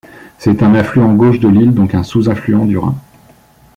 C'est un affluent gauche de l'Ill, donc un sous-affluent du Rhin.